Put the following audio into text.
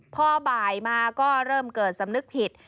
พอบ่ายมาก็เริ่มเกิดสำนึกผิด